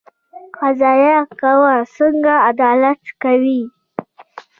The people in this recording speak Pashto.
قضایه قوه څنګه عدالت کوي؟